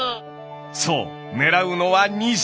そう狙うのは虹！